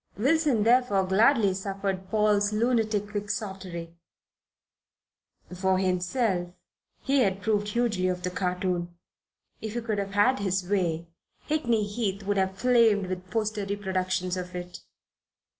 Wilson, therefore, gladly suffered Paul's lunatic Quixotry. For himself he approved hugely of the cartoon. If he could have had his way, Hickney Heath would have flamed with poster reproductions of it.